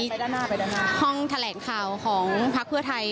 ด้านหน้าไปด้านหน้าห้องแถลงข่าวของพักเพื่อไทย